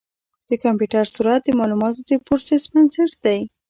د کمپیوټر سرعت د معلوماتو د پروسس بنسټ دی.